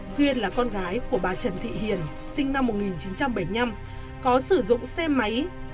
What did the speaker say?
duyên là con gái của bà trần thị hiền sinh năm một nghìn chín trăm bảy mươi năm có sử dụng xe máy